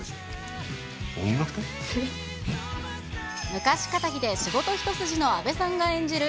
昔かたぎで仕事一筋の阿部さんが演じる